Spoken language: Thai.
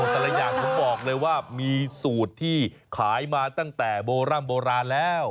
แต่ละอย่างผมบอกเลยว่ามีสูตรที่ขายมาตั้งแต่โบร่ำโบราณแล้ว